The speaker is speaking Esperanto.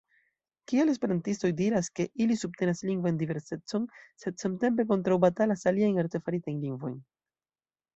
Kial esperantistoj diras, ke ili subtenas lingvan diversecon, sed samtempe kontraŭbatalas aliajn artefaritajn lingvojn?